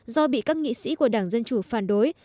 do bị các nghị sĩ của đảng dân chủ phản đối